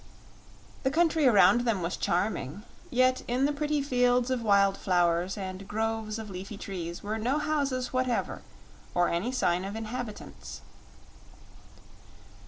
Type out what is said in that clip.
The country around them was charming, yet in the pretty fields of wild flowers and groves of leafy trees were no houses whatever, or sign of any inhabitants.